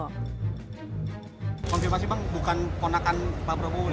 konfirmasi bang bukan ponakan pak prabowo